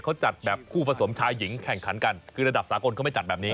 เขาจัดแบบคู่ผสมชายหญิงแข่งขันกันคือระดับสากลเขาไม่จัดแบบนี้